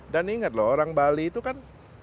dan ingat loh orang bali itu kan